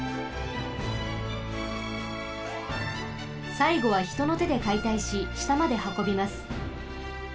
さいごはひとのてでかいたいししたまではこびます。